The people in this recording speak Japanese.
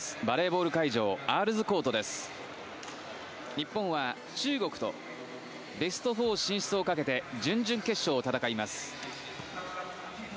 日本は中国とベスト４進出を懸けて準々決勝を戦います。